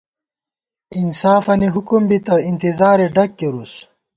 انصافَنی حُکُم بِتہ، اِنتِظارےڈگ کېرُوس